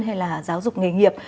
hay là giáo dục nghề nghiệp